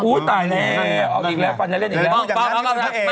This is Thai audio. อู้วตายแล้ว